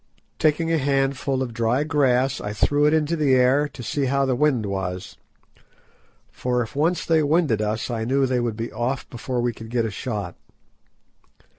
Taking a handful of dry grass, I threw it into the air to see how the wind was; for if once they winded us I knew they would be off before we could get a shot.